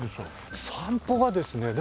散歩がですねでも。